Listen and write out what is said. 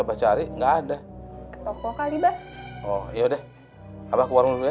bacari enggak ada toko kali dah oh ya udah apa keluar dulu ya